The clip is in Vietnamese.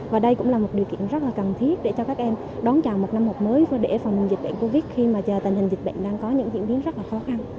và đây cũng là một điều kiện rất là cần thiết để cho các em đón chào một năm học mới để phòng dịch bệnh covid khi mà tình hình dịch bệnh đang có những diễn biến rất là khó khăn